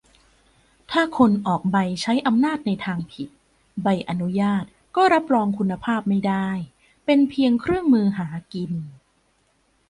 ถ้าคนออกใบใช้อำนาจในทางผิด ใบอนุญาตก็รับรองคุณภาพไม่ได้ เป็นเพียงเครื่องมือหากิน